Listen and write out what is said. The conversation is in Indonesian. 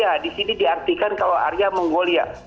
arya di sini diartikan kalau arya mongolia